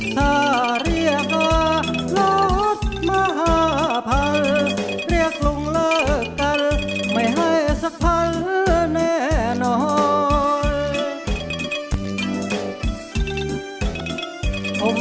ถ้าเรียกอาหรัฐมหาภัลเรียกลงแล้วกันไม่ให้สักพันแน่นอน